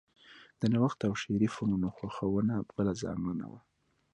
د نوښت او شعري فنونو خوښونه بله ځانګړنه وه